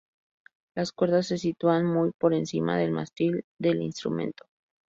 Las cuerdas se sitúan muy por encima del mástil del instrumento.